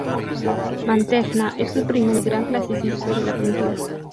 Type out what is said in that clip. Mantegna es el primer gran "clasicista" de la pintura.